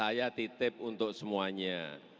saya titip untuk semuanya